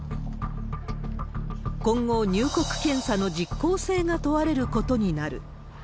今後、入国検査の実効性が問われることになる。